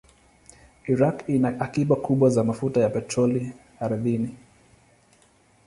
Iraq ina akiba kubwa za mafuta ya petroli ardhini.